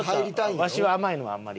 わしは甘いのはあんまり。